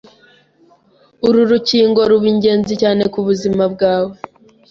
uru rukingo ruba ingenzi cyane ku buzima bwawe